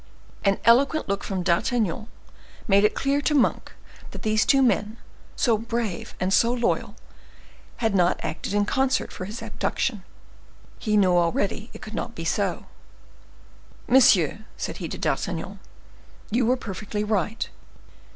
An eloquent look from D'Artagnan made it clear to Monk that these two men, so brave and so loyal, had not acted in concert for his abduction. He knew already it could not be so. "Monsieur," said he to D'Artagnan, "you were perfectly right.